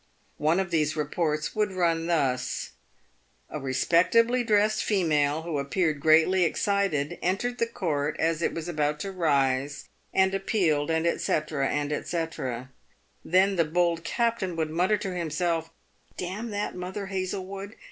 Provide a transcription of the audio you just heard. One of these reports would run thus :" A respectably dressed female, who appeared greatly excited, entered the court as it was about to rise, and appealed, &c, &c." Then the bold captain would mutter to himself, " D — n that Mother Hazlewood